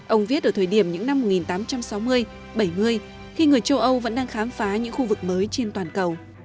ông viết ở thời điểm những năm một nghìn tám trăm sáu mươi bảy mươi khi người châu âu vẫn đang khám phá những khu vực mới trên toàn cầu